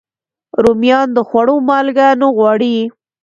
رومیان د خوړو مالګه نه غواړي